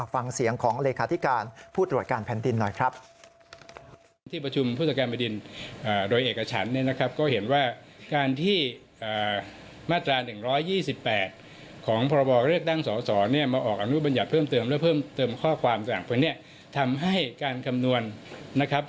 ฟังเสียงของเลขาธิการผู้ตรวจการแผ่นดินหน่อยครับ